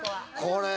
これ。